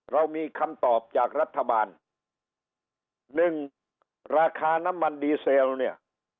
เรามีคำตอบจากรัฐบาลหนึ่งราคาน้ำมันดีเซลเนี่ย